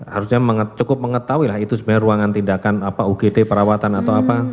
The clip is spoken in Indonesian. harusnya cukup mengetahui lah itu sebenarnya ruangan tindakan apa ugt perawatan atau apa